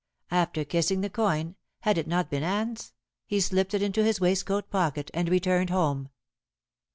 After kissing the coin had it not been Anne's? he slipped it into his waistcoat pocket and returned home.